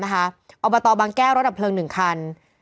อบตบางแก้วรถดับเพลิง๑คัน